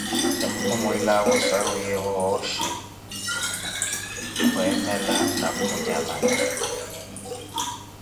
Tempu mwiilawe osaruwiyevo wooxhi, khwemela na khunyamala.